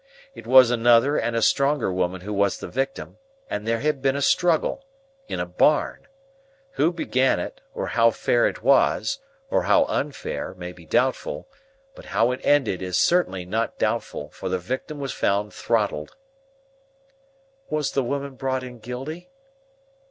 It was another and a stronger woman who was the victim, and there had been a struggle—in a barn. Who began it, or how fair it was, or how unfair, may be doubtful; but how it ended is certainly not doubtful, for the victim was found throttled." "Was the woman brought in guilty?"